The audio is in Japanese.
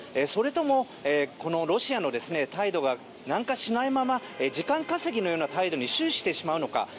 それともロシアの態度が軟化しないまま時間稼ぎのような態度に終始してしまうのか